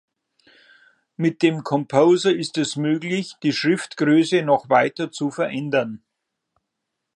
Mit dem Composer ist es möglich, die Schriftgröße noch weiter zu verändern.